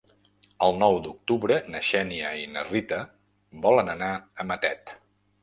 El nou d'octubre na Xènia i na Rita volen anar a Matet.